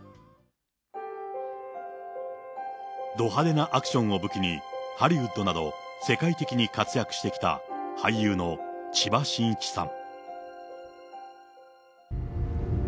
ど派手なアクションを武器に、ハリウッドなど、世界的に活躍してきた俳優の千葉真一さん。